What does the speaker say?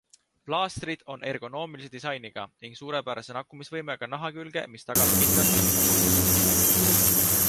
Plaastrid on ergonoomilise disainiga ning suurepärase nakkumisvõimega naha külge, mis tagab kindla püsivuse.